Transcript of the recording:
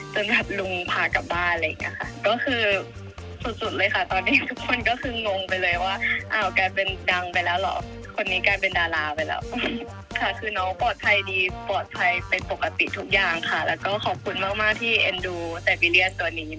จนดับลุงพากลับบ้านอะไรอย่างนี้ค่ะก็คือสุดเลยค่ะตอนนี้ทุกคนก็คืองงไปเลย